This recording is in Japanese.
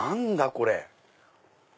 これ。